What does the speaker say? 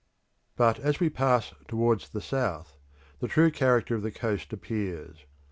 But as we pass towards the south, the true character of the coast appears.